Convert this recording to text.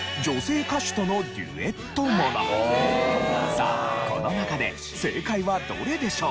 さあこの中で正解はどれでしょう？